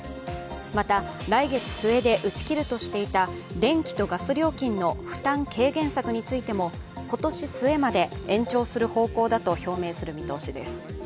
また、来月末で打ち切るとしていた電気とガス料金の負担軽減策についても今年末まで延長する方向だと表明する見通しです。